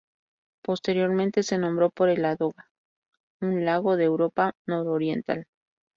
Posteriormente se nombró por el Ládoga, un lago de Europa nororiental.